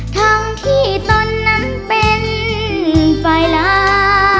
ทั้งที่ตนนั้นเป็นฝ่ายลา